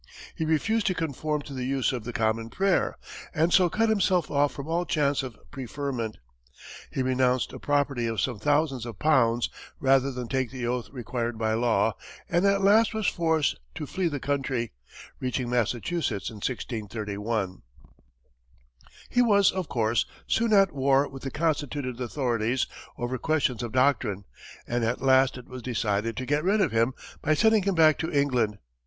He refused to conform to the use of the common prayer, and so cut himself off from all chance of preferment; he renounced a property of some thousands of pounds rather than take the oath required by law; and at last was forced to flee the country, reaching Massachusetts in 1631. He was, of course, soon at war with the constituted authorities over questions of doctrine, and at last it was decided to get rid of him by sending him back to England.